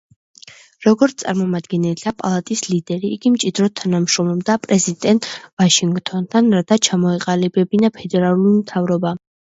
როგორც წარმომადგენელთა პალატის ლიდერი, იგი მჭიდროდ თანამშრომლობდა პრეზიდენტ ვაშინგტონთან, რათა ჩამოეყალიბებინათ ფედერალური მთავრობა.